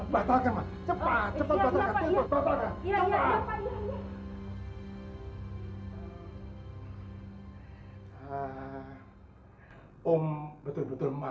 batalkan cepat cepat batalkan